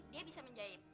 dia bisa menjahit